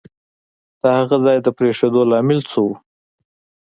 د هغه ځای د پرېښودو لامل څه وو؟